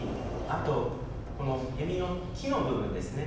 あとこの弓の木の部分ですね。